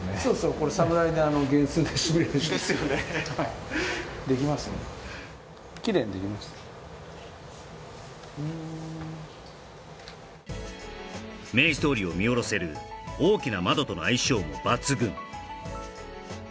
これ明治通りを見下ろせる大きな窓との相性も抜群